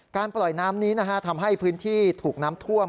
ปล่อยน้ำนี้ทำให้พื้นที่ถูกน้ำท่วม